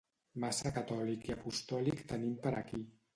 Massa catòlic i apostòlic tenim per aquí